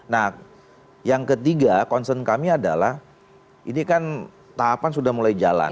nah yang ketiga concern kami adalah ini kan tahapan sudah mulai jalan